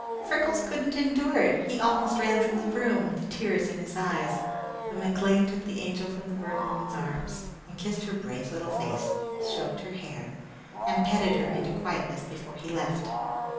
Freckles could not endure it. He almost ran from the room, with the tears in his eyes; but McLean took the Angel from the Bird Woman's arms, and kissed her brave little face, stroked her hair, and petted her into quietness before he left.